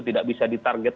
tidak bisa ditarget